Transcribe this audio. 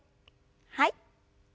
はい。